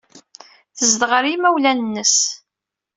Tezdeɣ ɣer yimawlan-nnes.